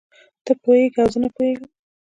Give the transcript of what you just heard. ته پوهېږې او زه نه پوهېږم.